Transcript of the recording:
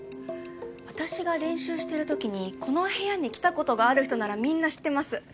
私が練習しているときにこの部屋に来たことがある人ならみんな知ってます。